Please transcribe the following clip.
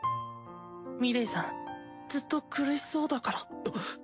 ミレイさんずっと苦しそうだから。